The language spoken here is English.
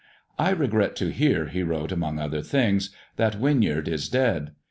I regret to hear,'' he wrote among other things, "that Winyard is dead.